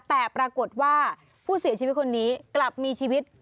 แต่ปรากฏว่าผู้เสียชีวิตคนนี้กลับมีชีวิต